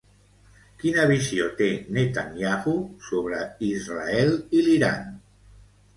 Quina visió té Netanyahu sobre Israel i l'Iran?